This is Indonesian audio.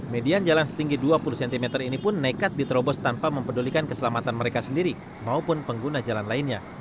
median jalan setinggi dua puluh cm ini pun nekat diterobos tanpa mempedulikan keselamatan mereka sendiri maupun pengguna jalan lainnya